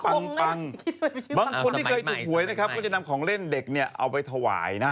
บางคนที่เคยถูกหวยนะครับก็จะนำของเล่นเด็กเนี่ยเอาไปถวายนะฮะ